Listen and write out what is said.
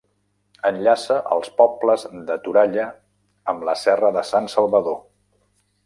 Enllaça els pobles de Toralla amb la Serra de Sant Salvador.